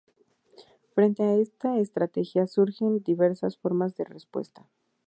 Frente a esta estrategia surgen diversas formas de respuesta.